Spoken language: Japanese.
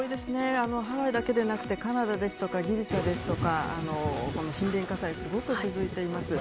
ハワイだけではなくカナダですとかギリシャですとか森林火災がすごく続いています。